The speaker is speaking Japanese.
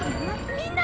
みんな！